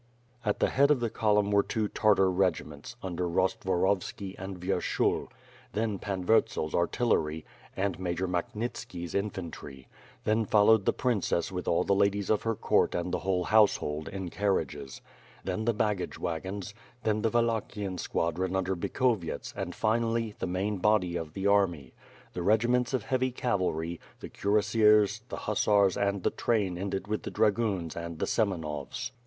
At the head of the column were two Tartar regiments, under Rostvorovski and Vyershul; then Pan Wurtzel's ar tillery, and Major Makhnitski's infantry; then followed the princess with all the ladies of her court and the whole hous^ 304 ^^^^^^^^^^^ SWORD, hold, in carriages; then the baggage wagons; then the Wal lachian squadron under Bikhovyets and, finally, the main body of the army. The regiments of heavy cavalry, the cuir assiers, the hussars; and the train ended with the dragoons and the Semenovs.